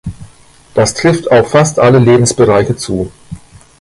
Das trifft auf fast alle Lebensbereiche zu.